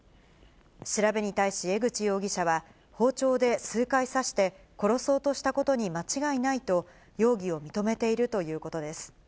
調べに対し江口容疑者は、包丁で数回刺して殺そうとしたことに間違いないと容疑を認めているということです。